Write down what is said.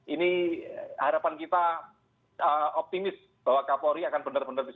ini harapan kita optimis bahwa kapolri akan benar benar bisa